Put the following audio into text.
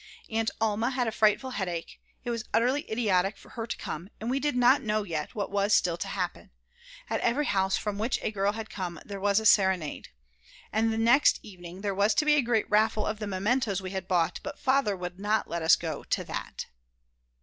Aunt Alma had a frightful headache; it was utterly idiotic for her to come, and we did not know yet what was still to happen. At every house from which a girl had come there was a serenade. And next evening there was to be a great raffle of the mementoes we had bought, but Father would not let us go to that.